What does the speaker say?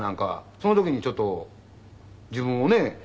その時にちょっと自分をね見直して。